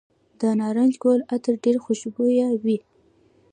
د نارنج ګل عطر ډیر خوشبويه وي.